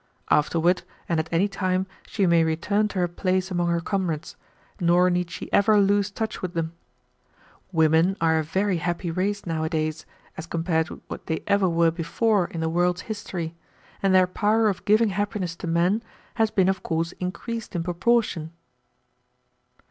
Afterward, and at any time, she may return to her place among her comrades, nor need she ever lose touch with them. Women are a very happy race nowadays, as compared with what they ever were before in the world's history, and their power of giving happiness to men has been of course increased in proportion."